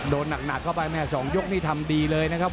โดนหนักเข้าไปแม่๒ยกนี่ทำดีเลยนะครับ